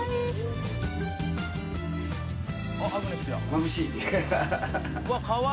「まぶしい？」